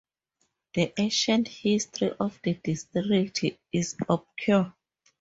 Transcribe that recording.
The ancient history of the district is obscure.